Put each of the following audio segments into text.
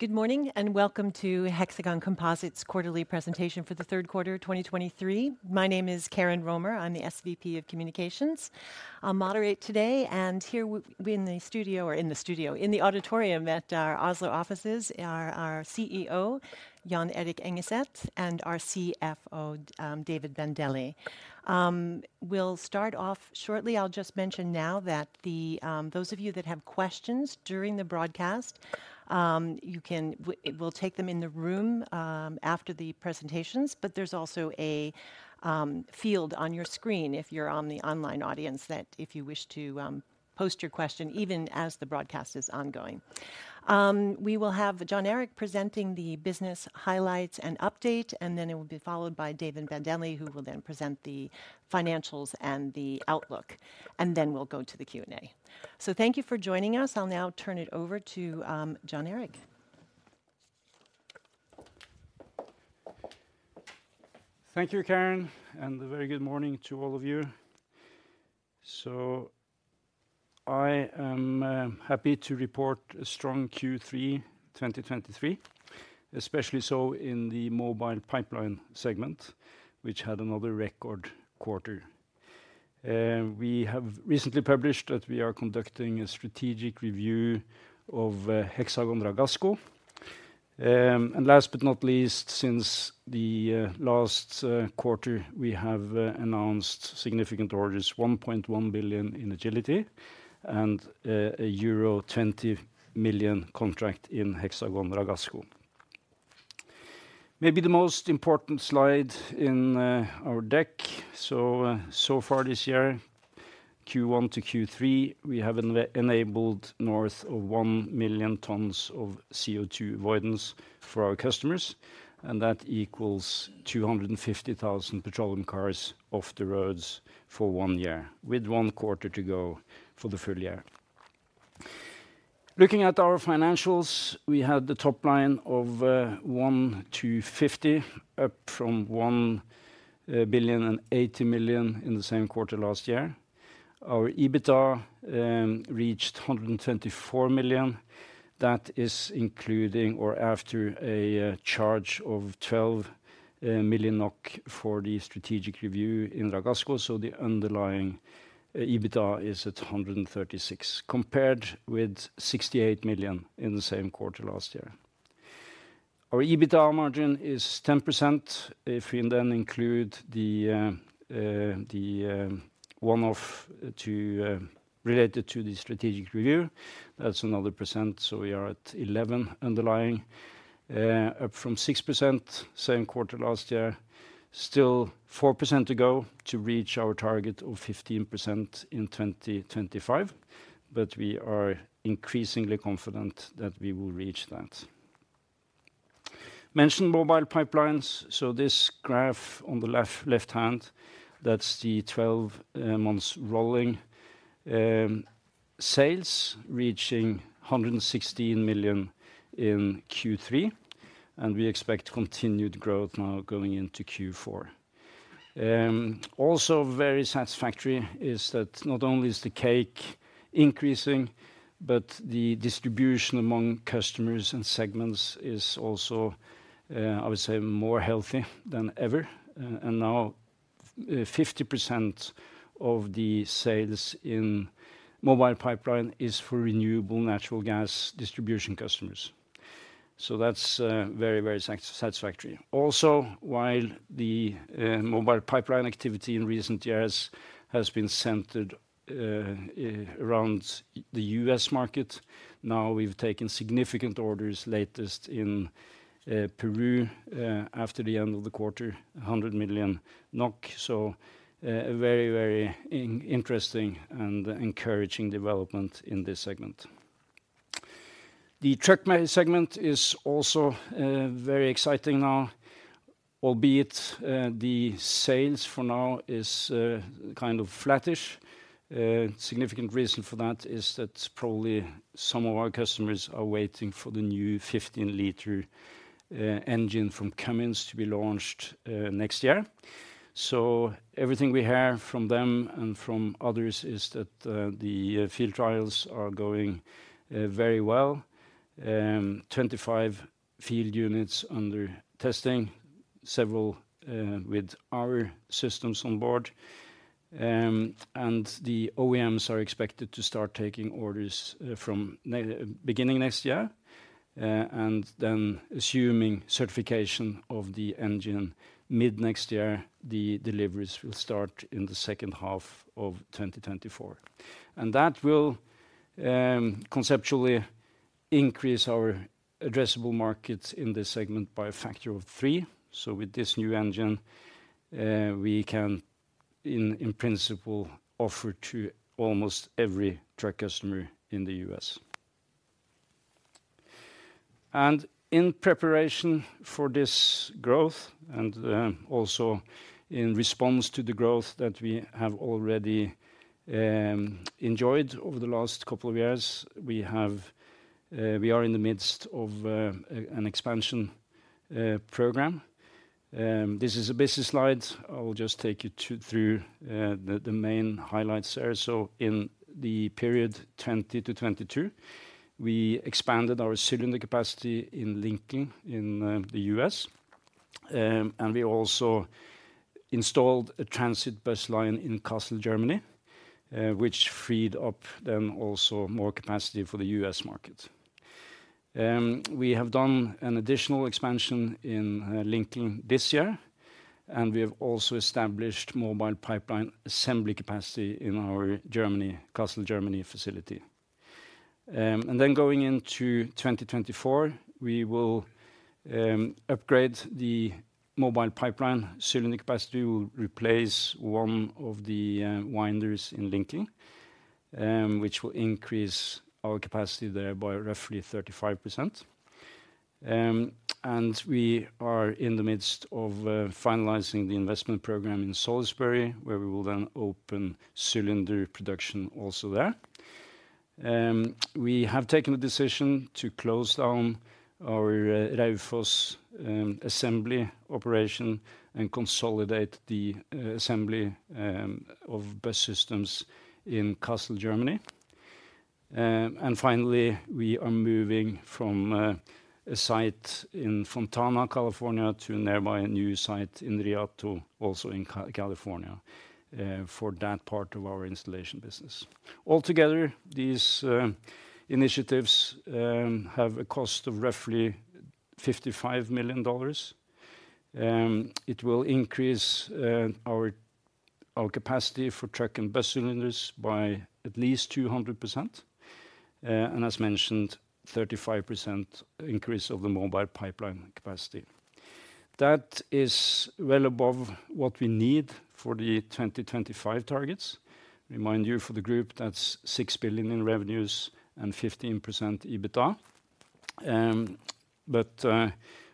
Good morning, and welcome to Hexagon Composites Quarterly Presentation for the Third Quarter of 2023. My name is Karen Romer. I'm the SVP of Communications. I'll moderate today, and here in the studio, or in the studio, in the auditorium at our Oslo offices are our CEO, Jon Erik Engeset, and our CFO, David Bandele. We'll start off shortly. I'll just mention now that the those of you that have questions during the broadcast, you can we'll take them in the room after the presentations. But there's also a field on your screen if you're on the online audience, that if you wish to post your question, even as the broadcast is ongoing. We will have Jon Erik presenting the business highlights and update, and then it will be followed by David Bandele, who will then present the financials and the outlook, and then we'll go to the Q&A. Thank you for joining us. I'll now turn it over to Jon Erik. Thank you, Karen, and a very good morning to all of you. So I am happy to report a strong Q3 2023, especially so in the Mobile Pipeline segment, which had another record quarter. We have recently published that we are conducting a strategic review of Hexagon Ragasco. And last but not least, since the last quarter, we have announced significant orders, $1.1 billion in Agility and a euro 20 million contract in Hexagon Ragasco. Maybe the most important slide in our deck. So, so far this year, Q1 to Q3, we have enabled north of 1 million tons of CO2 avoidance for our customers, and that equals 250,000 petroleum cars off the roads for one year, with one quarter to go for the full year. Looking at our financials, we had the top line of 150 million, up from 1,080 million in the same quarter last year. Our EBITDA reached 124 million. That is including or after a charge of 12 million NOK for the strategic review in Ragasco. So the underlying EBITDA is at 136 million, compared with 68 million in the same quarter last year. Our EBITDA margin is 10%. If we then include the one-off to related to the strategic review, that's another percent, so we are at 11% underlying, up from 6% same quarter last year. Still 4% to go to reach our target of 15% in 2025, but we are increasingly confident that we will reach that. Mentioned Mobile Pipelines, so this graph on the left, left hand, that's the 12 months rolling sales reaching 116 million in Q3, and we expect continued growth now going into Q4. Also very satisfactory is that not only is the cake increasing, but the distribution among customers and segments is also, I would say, more healthy than ever, and now, 50% of the sales in mobile pipeline is for renewable natural gas distribution customers. So that's, very, very satisfactory. Also, while the, mobile pipeline activity in recent years has been centered, around the U.S. market, now we've taken significant orders, latest in, Peru, after the end of the quarter, 100 million NOK. So, a very, very interesting and encouraging development in this segment. The truck segment is also very exciting now, albeit the sales for now is kind of flattish. Significant reason for that is that probably some of our customers are waiting for the new 15-liter engine from Cummins to be launched next year. So everything we hear from them and from others is that the field trials are going very well. 25 field units under testing, several with our systems on board. And the OEMs are expected to start taking orders from beginning next year. And then assuming certification of the engine mid-next year, the deliveries will start in the second half of 2024. And that will conceptually increase our addressable market in this segment by a factor of 3. So with this new engine, we can, in principle, offer to almost every truck customer in the U.S. And in preparation for this growth and also in response to the growth that we have already enjoyed over the last couple of years, we are in the midst of an expansion program. This is a busy slide. I will just take you through the main highlights there. So in the period 2020 to 2022, we expanded our cylinder capacity in Lincoln, in the U.S. And we also installed a transit bus line in Kassel, Germany, which freed up then also more capacity for the U.S. market. We have done an additional expansion in Lincoln this year, and we have also established Mobile Pipeline assembly capacity in our Kassel, Germany facility. Going into 2024, we will upgrade the mobile pipeline cylinder capacity. We will replace one of the winders in Lincoln, which will increase our capacity there by roughly 35%. We are in the midst of finalizing the investment program in Salisbury, where we will then open cylinder production also there. We have taken the decision to close down our Raufoss assembly operation and consolidate the assembly of bus systems in Kassel, Germany. Finally, we are moving from a site in Fontana, California, to nearby a new site in Rialto, also in California, for that part of our installation business. Altogether, these initiatives have a cost of roughly $55 million. It will increase our capacity for truck and bus cylinders by at least 200%, and as mentioned, 35% increase of the mobile pipeline capacity. That is well above what we need for the 2025 targets. Remind you, for the group, that's 6 billion in revenues and 15% EBITDA. But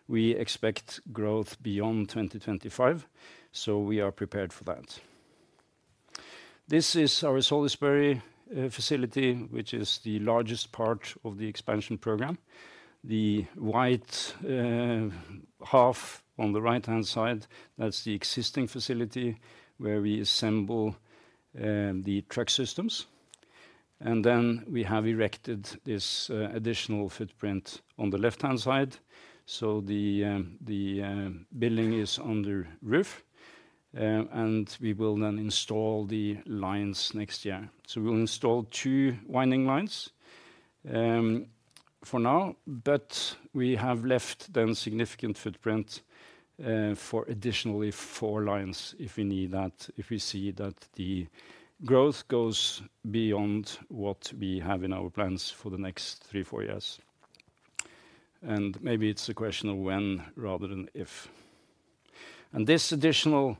we expect growth beyond 2025, so we are prepared for that. This is our Salisbury facility, which is the largest part of the expansion program. The white half on the right-hand side, that's the existing facility where we assemble the truck systems. And then we have erected this additional footprint on the left-hand side. So the building is under roof, and we will then install the lines next year. So we'll install two winding lines for now, but we have left a significant footprint for additionally four lines, if we need that, if we see that the growth goes beyond what we have in our plans for the next three, four years. Maybe it's a question of when, rather than if. This additional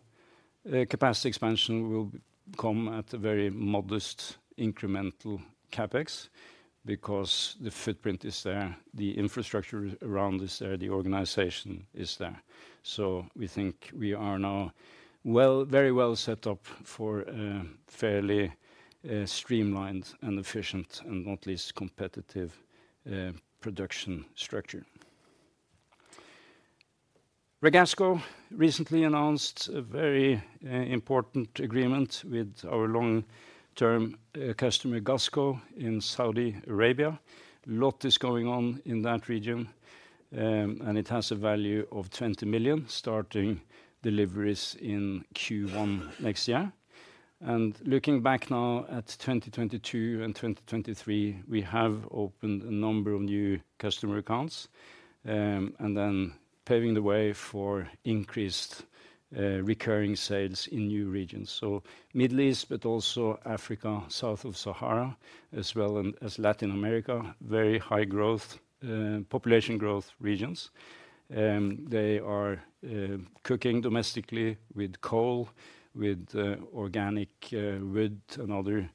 capacity expansion will come at a very modest incremental CapEx, because the footprint is there, the infrastructure around is there, the organization is there. So we think we are now very well set up for a fairly streamlined and efficient, and not least, competitive production structure. Ragasco recently announced a very important agreement with our long-term customer, GASCO, in Saudi Arabia. A lot is going on in that region, and it has a value of 20 million, starting deliveries in Q1 next year. Looking back now at 2022 and 2023, we have opened a number of new customer accounts, and then paving the way for increased recurring sales in new regions. So Middle East, but also Africa, south of Sahara, as well as Latin America. Very high growth population growth regions. They are cooking domestically with coal, with organic wood and other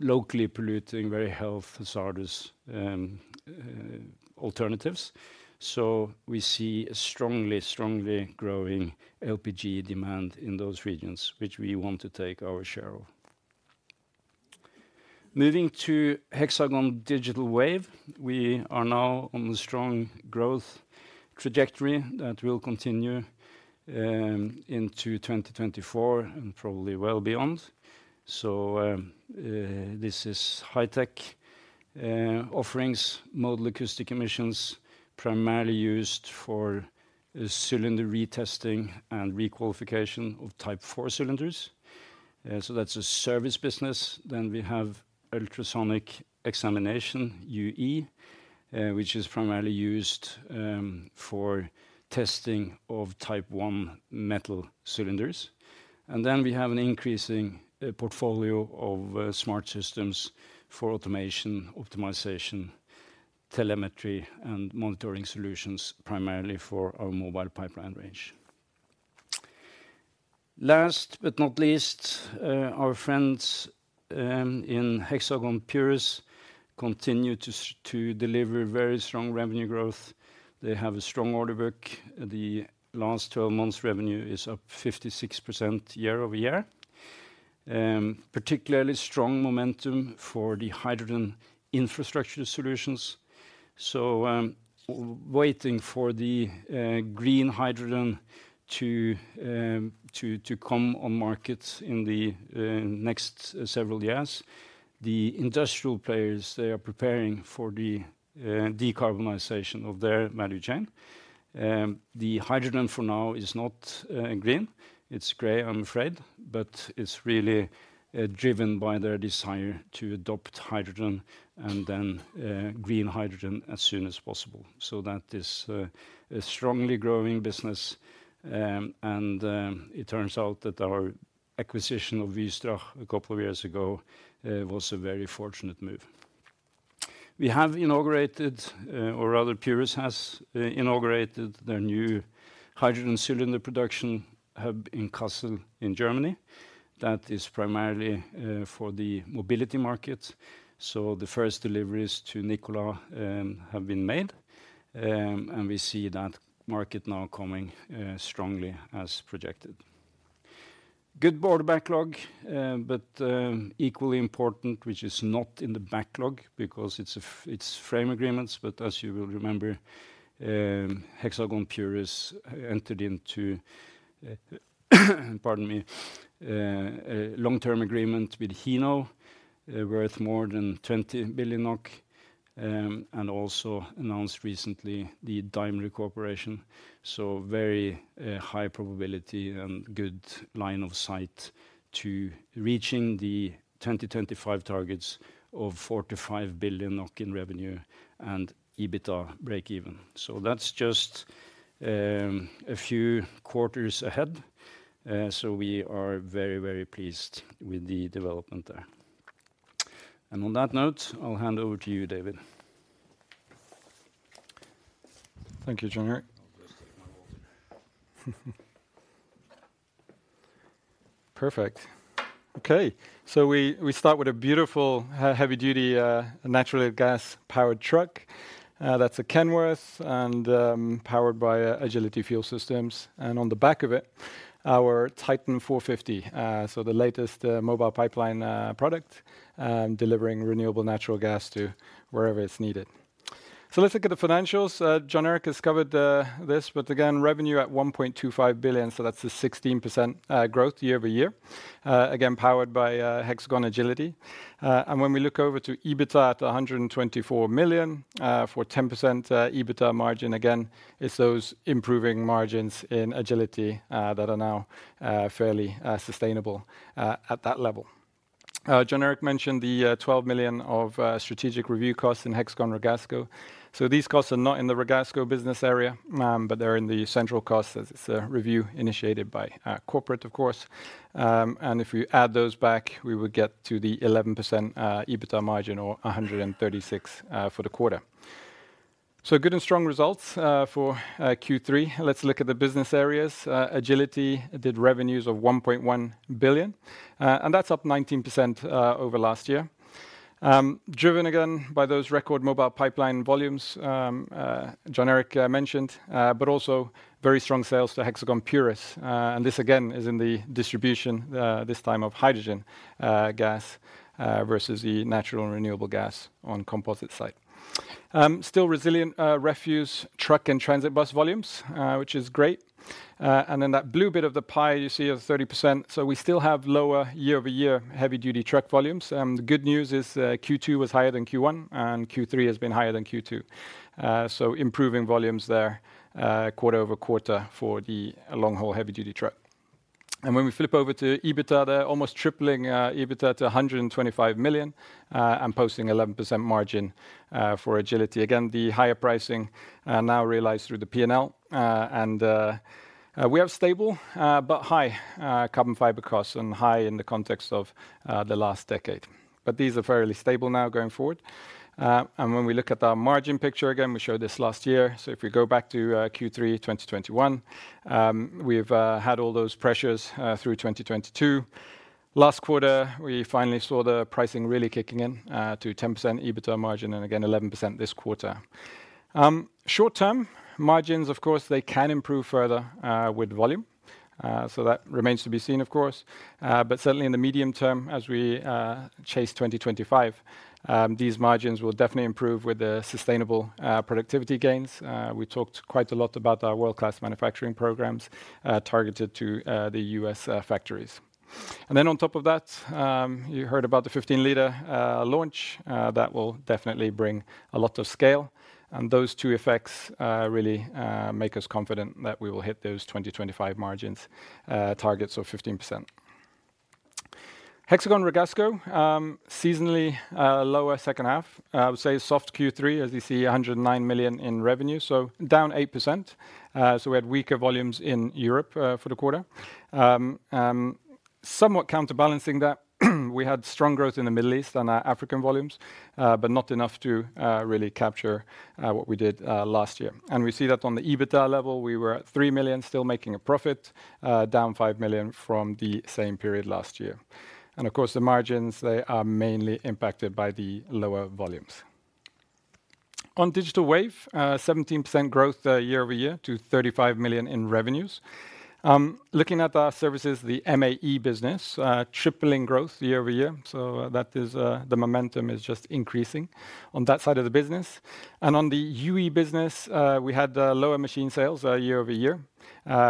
locally polluting, very health hazardous alternatives. So we see a strongly, strongly growing LPG demand in those regions, which we want to take our share of. Moving to Hexagon Digital Wave, we are now on a strong growth trajectory that will continue into 2024 and probably well beyond. So this is high tech offerings, Modal Acoustic Emission, primarily used for cylinder retesting and requalification of Type 4 cylinders. So that's a service business. Then we have Ultrasonic Examination, UE, which is primarily used for testing of Type 1 metal cylinders. And then we have an increasing portfolio of smart systems for automation, optimization, telemetry, and monitoring solutions, primarily for our Mobile Pipeline range. Last but not least, our friends in Hexagon Purus continue to deliver very strong revenue growth. They have a strong order book. The last 12 months, revenue is up 56% year-over-year. Particularly strong momentum for the hydrogen infrastructure solutions. So, waiting for the green hydrogen to come on market in the next several years. The industrial players, they are preparing for the decarbonization of their value chain. The hydrogen for now is not green. It's gray, I'm afraid, but it's really driven by their desire to adopt hydrogen and then green hydrogen as soon as possible. So that is a strongly growing business. And it turns out that our acquisition of Wystrach a couple of years ago was a very fortunate move. We have inaugurated, or rather Purus has, inaugurated their new hydrogen cylinder production hub in Kassel, in Germany. That is primarily for the mobility market. So the first deliveries to Nikola have been made. And we see that market now coming strongly as projected. Good board backlog, but equally important, which is not in the backlog because it's frame agreements. But as you will remember, Hexagon Purus entered into, pardon me, a long-term agreement with Hino, worth more than 20 billion NOK, and also announced recently the Daimler Corporation. So very, high probability and good line of sight to reaching the 2025 targets of 45 billion NOK in revenue and EBITDA breakeven. So that's just, a few quarters ahead. so we are very, very pleased with the development there. And on that note, I'll hand over to you, David. Thank you, Jon Erik. Perfect. Okay. So we start with a beautiful heavy-duty natural gas-powered truck. That's a Kenworth and powered by Agility Fuel Solutions, and on the back of it, our TITAN 450. So the latest mobile pipeline product delivering renewable natural gas to wherever it's needed. So let's look at the financials. Jon Erik has covered this, but again, revenue at 1.25 billion, so that's a 16% growth year-over-year. Again, powered by Hexagon Agility. And when we look over to EBITDA at 124 million for 10% EBITDA margin, again, it's those improving margins in Agility that are now fairly sustainable at that level. Jon Erik mentioned the 12 million of strategic review costs in Hexagon Ragasco. So these costs are not in the Ragasco business area, but they're in the central costs as it's a review initiated by corporate, of course. If we add those back, we would get to the 11% EBITDA margin or 136 for the quarter. So good and strong results for Q3. Let's look at the business areas. Agility did revenues of 1.1 billion, and that's up 19% over last year. Driven again by those record mobile pipeline volumes Jon Erik mentioned, but also very strong sales to Hexagon Purus. And this, again, is in the distribution, this time of hydrogen gas, versus the natural and renewable gas on composite side. Still resilient refuse truck and transit bus volumes, which is great. And then that blue bit of the pie you see of 30%, so we still have lower year-over-year heavy-duty truck volumes. The good news is, Q2 was higher than Q1, and Q3 has been higher than Q2. So improving volumes there, quarter-over-quarter for the long-haul heavy-duty truck. And when we flip over to EBITDA, they're almost tripling EBITDA to 125 million, and posting 11% margin, for Agility. Again, the higher pricing, now realized through the P&L. And, we have stable, but high, carbon fiber costs, and high in the context of, the last decade. But these are fairly stable now going forward. And when we look at our margin picture, again, we showed this last year. So if we go back to, Q3 2021, we've, had all those pressures, through 2022. Last quarter, we finally saw the pricing really kicking in, to 10% EBITDA margin, and again, 11% this quarter. Short-term margins, of course, they can improve further, with volume, so that remains to be seen, of course. But certainly in the medium term, as we, chase 2025, these margins will definitely improve with the sustainable, productivity gains. We talked quite a lot about our world-class manufacturing programs, targeted to the U.S. factories. And then on top of that, you heard about the 15-liter launch. That will definitely bring a lot of scale. And those two effects really make us confident that we will hit those 2025 margins targets of 15%. Hexagon Ragasco, seasonally, lower second half. I would say soft Q3, as you see, 109 million in revenue, so down 8%. So we had weaker volumes in Europe for the quarter. Somewhat counterbalancing that, we had strong growth in the Middle East and our African volumes, but not enough to really capture what we did last year. We see that on the EBITDA level, we were at 3 million, still making a profit, down 5 million from the same period last year. Of course, the margins, they are mainly impacted by the lower volumes. On Digital Wave, 17% growth year-over-year to 35 million in revenues. Looking at our services, the MAE business, tripling growth year-over-year, so that is, the momentum is just increasing on that side of the business. On the UE business, we had lower machine sales year-over-year,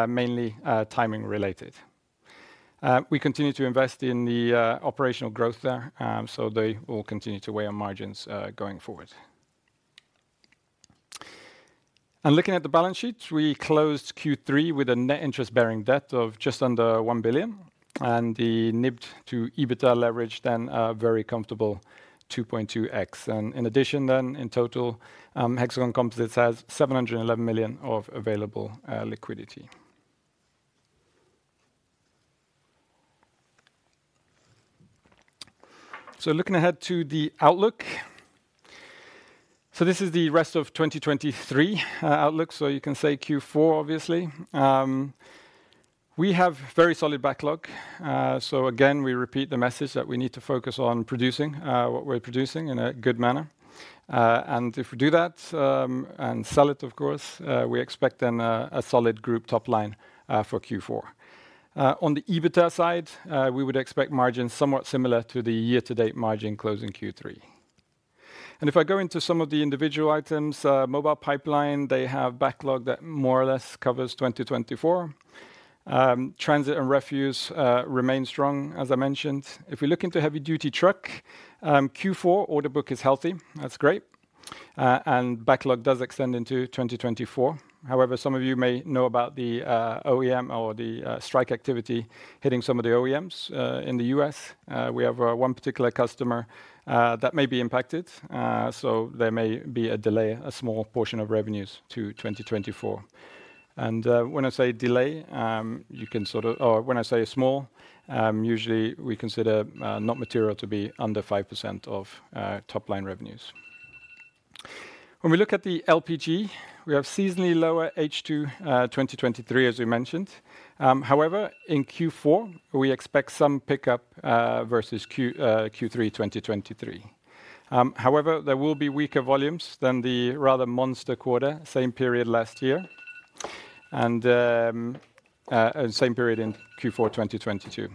mainly timing related. We continue to invest in the operational growth there, so they will continue to weigh on margins going forward. Looking at the balance sheet, we closed Q3 with a net interest-bearing debt of just under 1 billion, and the NIBD to EBITDA leverage then a very comfortable 2.2x. In addition, then in total, Hexagon Composites has 711 million of available liquidity. So looking ahead to the outlook. So this is the rest of 2023 outlook, so you can say Q4, obviously. We have very solid backlog. So again, we repeat the message that we need to focus on producing what we're producing in a good manner. And if we do that, and sell it, of course, we expect then a solid group top line for Q4. On the EBITDA side, we would expect margins somewhat similar to the year-to-date margin closing Q3. If I go into some of the individual items, Mobile Pipeline, they have backlog that more or less covers 2024. Transit and Refuse remain strong, as I mentioned. If we look into Heavy Duty Truck, Q4 order book is healthy. That's great. And backlog does extend into 2024. However, some of you may know about the OEM or the strike activity hitting some of the OEMs in the U.S. We have one particular customer that may be impacted, so there may be a delay, a small portion of revenues to 2024. And when I say delay, or when I say small, usually we consider not material to be under 5% of top-line revenues. When we look at the LPG, we have seasonally lower H2 2023, as we mentioned. However, in Q4, we expect some pickup versus Q3 2023. However, there will be weaker volumes than the rather monster quarter, same period last year, and same period in Q4 2022.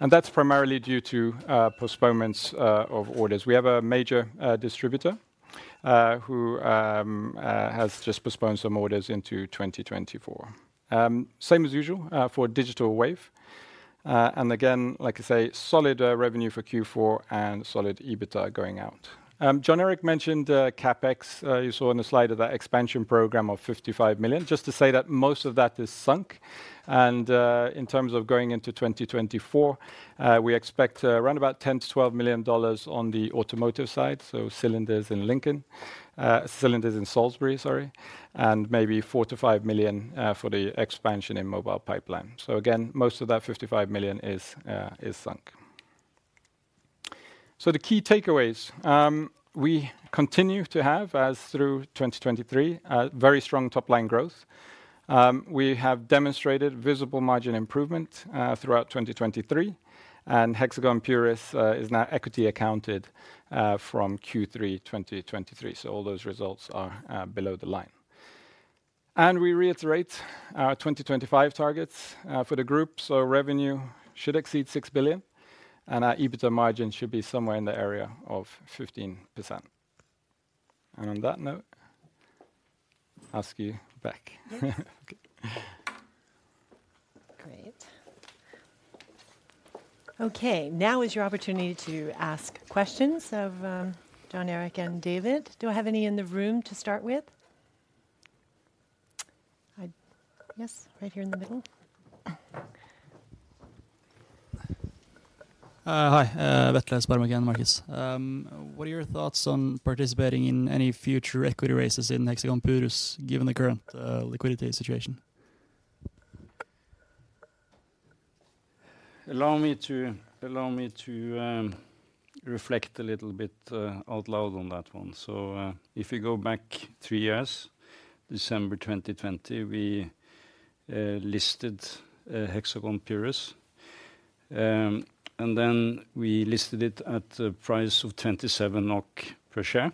And that's primarily due to postponements of orders. We have a major distributor who has just postponed some orders into 2024. Same as usual for Digital Wave. And again, like I say, solid revenue for Q4 and solid EBITDA going out. Jon Erik mentioned CapEx. You saw on the slide of that expansion program of 55 million, just to say that most of that is sunk. In terms of going into 2024, we expect around about $10 million-$12 million on the automotive side, so cylinders in Lincoln, cylinders in Salisbury, sorry, and maybe $4 million-$5 million for the expansion in Mobile Pipeline. So again, most of that $55 million is sunk. So the key takeaways. We continue to have, as through 2023, a very strong top-line growth. We have demonstrated visible margin improvement throughout 2023, and Hexagon Purus is now equity accounted from Q3 2023, so all those results are below the line. And we reiterate our 2025 targets for the group, so revenue should exceed 6 billion, and our EBITDA margin should be somewhere in the area of 15%. And on that note, I'll ask you back. Yep. Great. Okay, now is your opportunity to ask questions of, Jon Erik and David. Do I have any in the room to start with? Yes, right here in the middle. Hi, Bettles Padmagan Marcus. What are your thoughts on participating in any future equity raises in Hexagon Purus, given the current liquidity situation? Allow me to reflect a little bit out loud on that one. So, if you go back three years, December 2020, we listed Hexagon Purus, and then we listed it at the price of 27 NOK per share.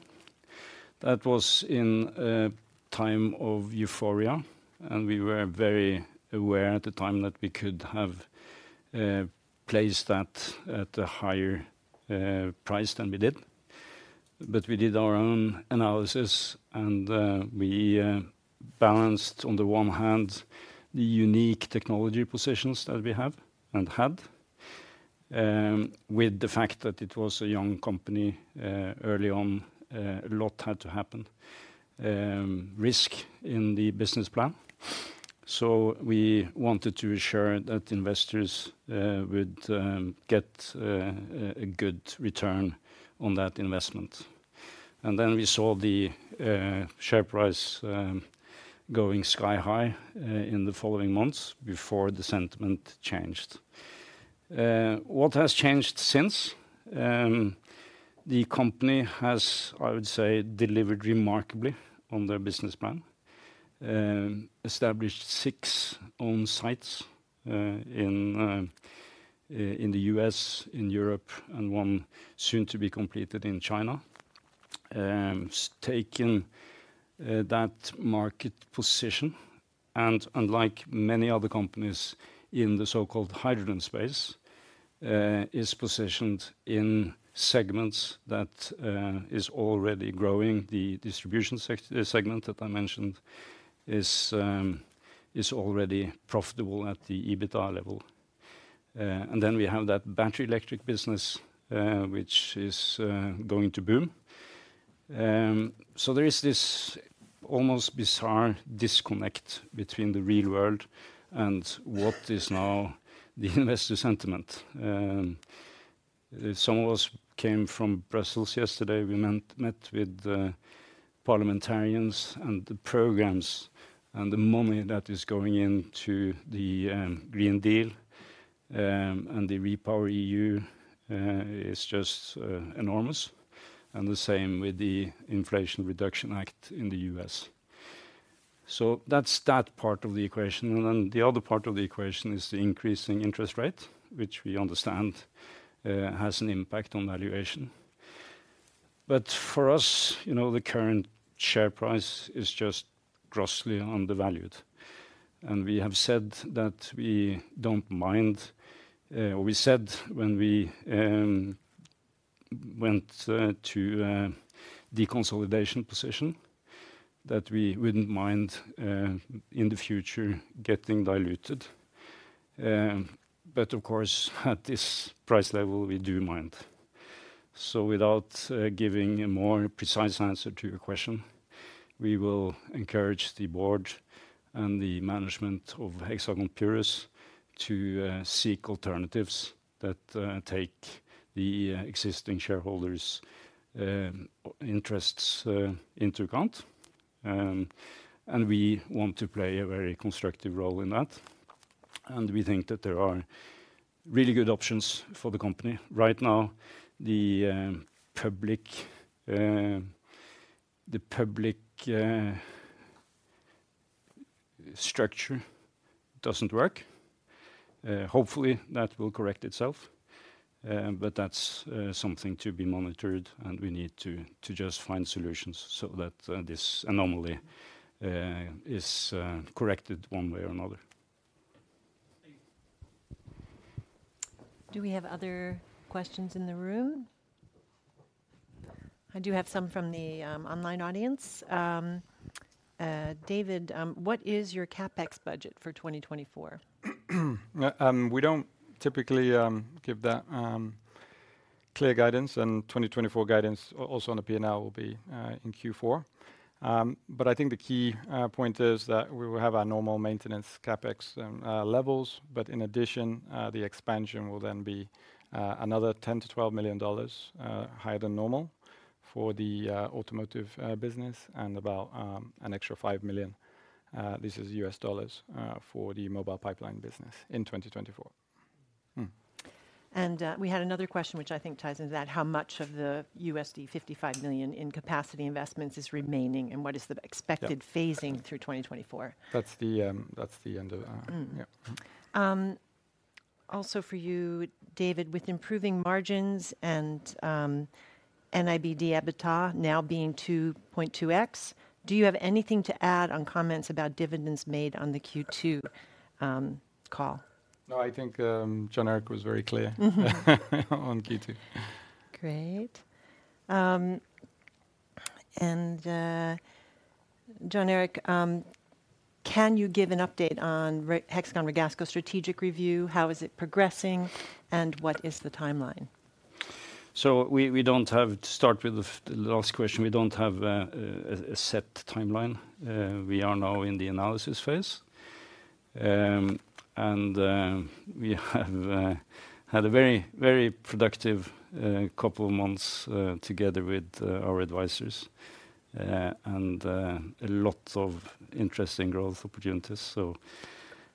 That was in a time of euphoria, and we were very aware at the time that we could have placed that at a higher price than we did. But we did our own analysis, and we balanced, on the one hand, the unique technology positions that we have and had with the fact that it was a young company, early on, a lot had to happen, risk in the business plan. So we wanted to ensure that investors would get a good return on that investment. Then we saw the share price going sky high in the following months before the sentiment changed. What has changed since? The company has, I would say, delivered remarkably on their business plan.... established six own sites in the U.S., in Europe, and one soon to be completed in China. Taken that market position, and unlike many other companies in the so-called hydrogen space, is positioned in segments that is already growing. The distribution segment that I mentioned is already profitable at the EBITDA level. And then we have that battery electric business, which is going to boom. So there is this almost bizarre disconnect between the real world and what is now the investor sentiment. Some of us came from Brussels yesterday. We met with parliamentarians, and the programs and the money that is going into the Green Deal and the REPowerEU is just enormous, and the same with the Inflation Reduction Act in the U.S. So that's that part of the equation. And then the other part of the equation is the increasing interest rate, which we understand has an impact on valuation. But for us, you know, the current share price is just grossly undervalued, and we have said that we don't mind... We said when we went to deconsolidation position, that we wouldn't mind in the future getting diluted. But of course, at this price level, we do mind. So without giving a more precise answer to your question, we will encourage the board and the management of Hexagon Purus to seek alternatives that take the existing shareholders' interests into account. And we want to play a very constructive role in that, and we think that there are really good options for the company. Right now, the public structure doesn't work. Hopefully, that will correct itself, but that's something to be monitored, and we need to just find solutions so that this anomaly is corrected one way or another. Thank you. Do we have other questions in the room? I do have some from the online audience. David, what is your CapEx budget for 2024? We don't typically give that clear guidance, and 2024 guidance, also on the P&L will be in Q4. But I think the key point is that we will have our normal maintenance CapEx levels, but in addition, the expansion will then be another $10 million-12 million higher than normal for the automotive business, and about an extra $5 million, this is US dollars, for the mobile pipeline business in 2024. We had another question, which I think ties into that: How much of the $55 million in capacity investments is remaining, and what is the- Yeah... expected phasing through 2024? That's the end of. Mm. Yeah. Also for you, David: With improving margins and NIBD EBITDA now being 2.2x, do you have anything to add on comments about dividends made on the Q2 call? No, I think, Jon Erik was very clear- Mm-hmm... on Q2. Great. Jon Erik, can you give an update on Hexagon Ragasco strategic review? How is it progressing, and what is the timeline? So we don't have. To start with the last question, we don't have a set timeline. We are now in the analysis phase. And we have had a very productive couple of months together with our advisors and a lot of interesting growth opportunities. So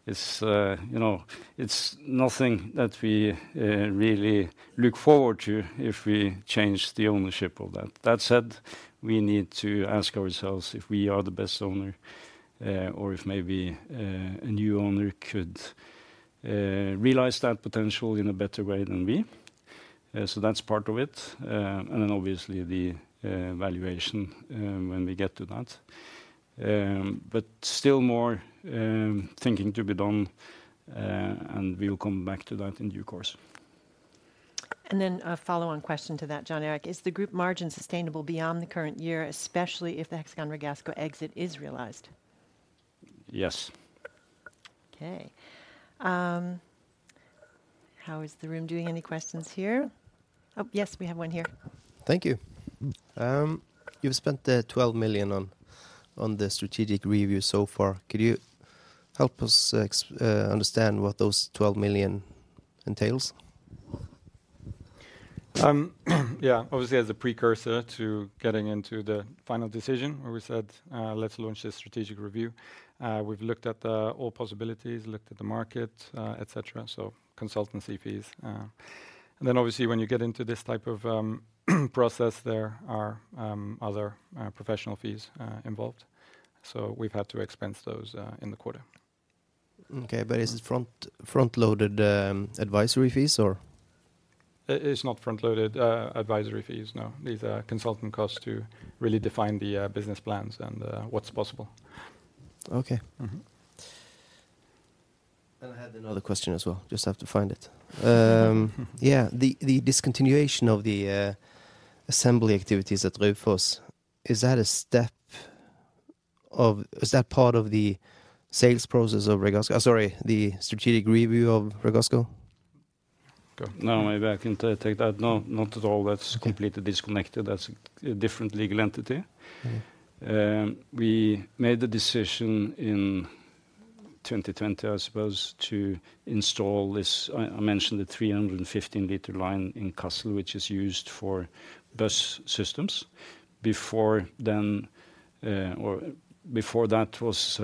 it's you know, it's nothing that we really look forward to if we change the ownership of that. That said, we need to ask ourselves if we are the best owner or if maybe a new owner could realize that potential in a better way than we. So that's part of it. And then obviously, the valuation when we get to that. But still more thinking to be done, and we'll come back to that in due course. A follow-on question to that, Jon Erik: Is the group margin sustainable beyond the current year, especially if the Hexagon Ragasco exit is realized? Yes. Okay. How is the room doing? Any questions here? Oh, yes, we have one here. Thank you. You've spent 12 million on the strategic review so far. Could you help us understand what those 12 million entails? Yeah. Obviously, as a precursor to getting into the final decision, where we said, "Let's launch a strategic review," we've looked at all possibilities, looked at the market, et cetera, so consultancy fees. And then obviously, when you get into this type of process, there are other professional fees involved. So we've had to expense those in the quarter. Okay, but is it front-loaded, advisory fees or? It's not front-loaded advisory fees, no. These are consultant costs to really define the business plans and what's possible. Okay. Mm-hmm. I had another question as well. Just have to find it. Yeah, the discontinuation of the assembly activities at Raufoss, is that a step of— Is that part of the sales process of Ragasco? The strategic review of Ragasco? No, maybe I can take that. No, not at all. That's completely disconnected. That's a different legal entity. Mm-hmm. We made the decision in 2020, I suppose, to install this. I mentioned the 315-liter line in Kassel, which is used for bus systems. Before then, or before that was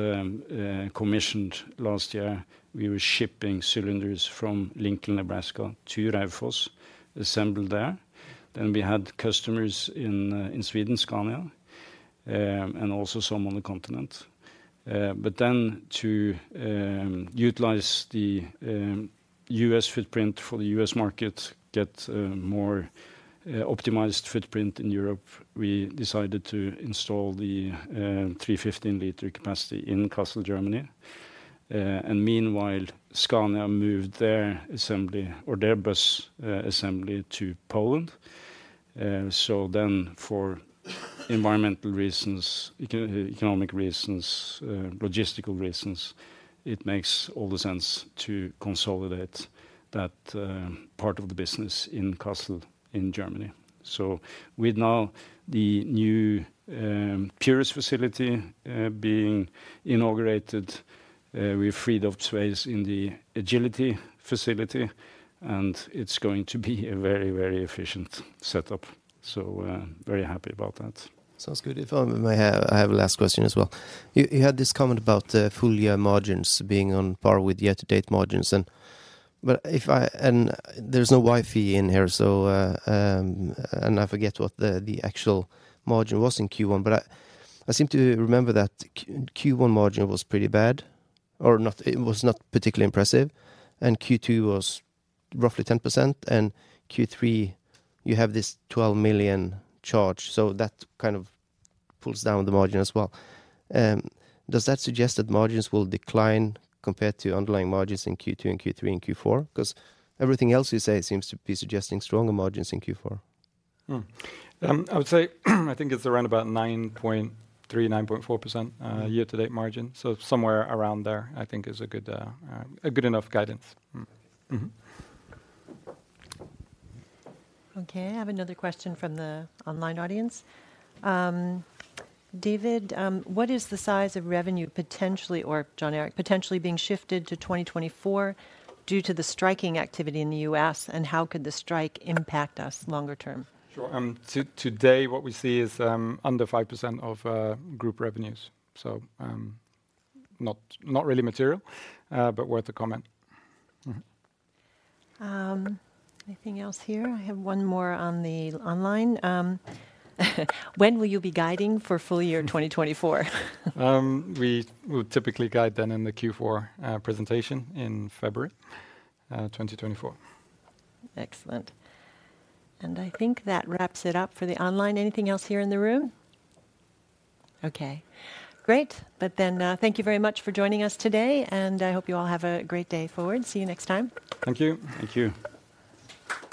commissioned last year, we were shipping cylinders from Lincoln, Nebraska, to Raufoss, assembled there. Then we had customers in Sweden, Scania, and also some on the continent. But then to utilize the U.S. footprint for the U.S. market, get a more optimized footprint in Europe, we decided to install the 315-liter capacity in Kassel, Germany. And meanwhile, Scania moved their assembly or their bus assembly to Poland. So then for environmental reasons, eco-economic reasons, logistical reasons, it makes all the sense to consolidate that part of the business in Kassel, in Germany. Now with the new Purus facility being inaugurated, we freed up space in the Agility facility, and it's going to be a very, very efficient setup, so very happy about that. Sounds good. If I may, I have a last question as well. You had this comment about the full year margins being on par with year-to-date margins and... But if I-- and there's no Wi-Fi in here, so, and I forget what the, the actual margin was in Q1, but I seem to remember that Q1 margin was pretty bad or not-- it was not particularly impressive, and Q2 was roughly 10%, and Q3, you have this 12 million charge, so that kind of pulls down the margin as well. Does that suggest that margins will decline compared to underlying margins in Q2 and Q3 and Q4? 'Cause everything else you say seems to be suggesting stronger margins in Q4. I would say, I think it's around about 9.3%-9.4% year-to-date margin. So somewhere around there, I think is a good enough guidance. Okay, I have another question from the online audience. David, what is the size of revenue potentially, or Jon Erik, potentially being shifted to 2024 due to the striking activity in the U.S., and how could the strike impact us longer term? Sure. So today, what we see is under 5% of group revenues. So, not really material, but worth a comment. Mm-hmm. Anything else here? I have one more on the online. When will you be guiding for full year 2024? We would typically guide then in the Q4 presentation in February 2024. Excellent. I think that wraps it up for the online. Anything else here in the room? Okay, great. Then, thank you very much for joining us today, and I hope you all have a great day forward. See you next time. Thank you. Thank you.